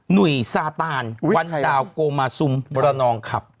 หนุ่ยซาตานวันดาวโกมาซุมระนองขับ